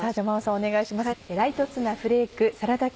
お願いします。